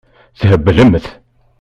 Theblemt.